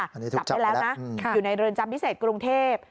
จับได้แล้วนะอยู่ในเรือนจำพิเศษกรุงเทพ